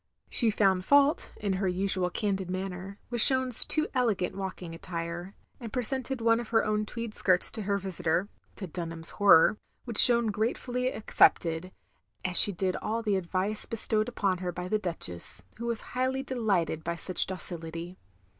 288 THE LONELY LADY She found fatdt (in her tisual candid manner) with Jeanne's too elegant walking attire, and pre sented one of her own tweed skirts to her visitor (to Dtuiham's horror) which Jeanne grateftdly ac cepted, as she did all the advice bestowed upon her by the Duchess, who was highly delighted by such docility.